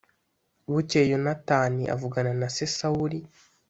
Bukeye Yonatani avugana na se Sawuli